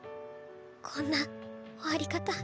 こんな終わり方。